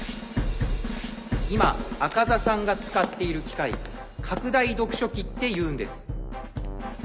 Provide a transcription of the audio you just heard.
今赤座さんが使っている機械「拡大読書器」っていうんです。